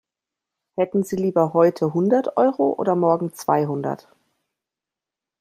Hätten Sie lieber heute hundert Euro oder morgen zweihundert?